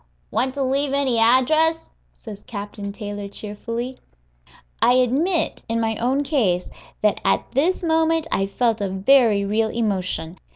"Want to leave any address?" says Captain Taylor, cheerfully. I admit, in my own case, that at this moment I felt a very real emotion.